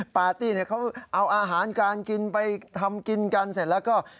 ปาร์ตี้เขาเอาอาหารการกินไปทำกินกันเสร็จแล้วก็